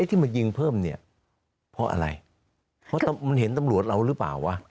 ที่มายิงเพิ่มเนี่ยเพราะอะไรเพราะมันเห็นตำรวจเราหรือเปล่าวะ